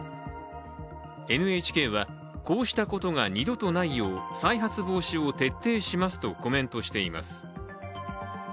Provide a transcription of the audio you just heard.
ＮＨＫは、こうしたことが二度とないよう再発防止を徹底しますとコメントしています。